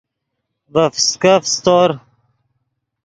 ڤے فسکف سیتور